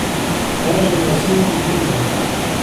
هاجم سامي ليلى.